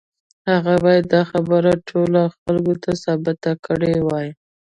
هغه بايد دا خبره ټولو خلکو ته ثابته کړې وای.